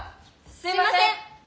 すいません！